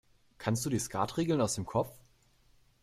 Kannst du die Skatregeln aus dem Kopf?